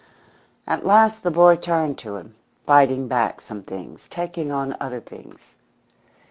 At last the boy turned to him, fighting back some things, taking on other things.